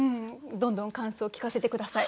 どんどん感想聞かせて下さい。